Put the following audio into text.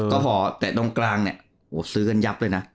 ก็พอแต่ตรงกลางเนี่ยโอ้โหซื้อกันยับเลยนะ